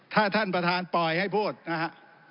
ถ้าท่านประธานปล่อยให้พูดนะฮะ